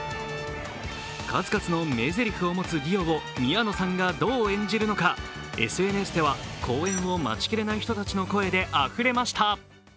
数々の名ぜりふを持つディオを宮野さんがどう演じるのかＳＮＳでは公演を待ちきれない人たちの声であふれました。